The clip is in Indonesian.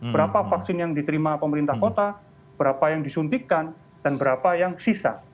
berapa vaksin yang diterima pemerintah kota berapa yang disuntikan dan berapa yang sisa